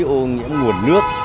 ô nhiễm nguồn nước